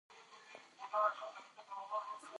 د مقاومت جبهه د مسعود ژوی چلوي.